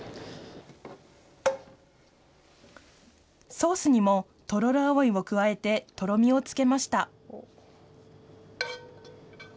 ソースにもトロロアオイを加えて、とろみをつけました。